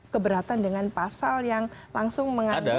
keberatan dengan pasal yang langsung mengambil itu acara